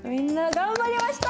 頑張りました。